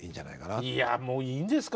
いやもういいんですか？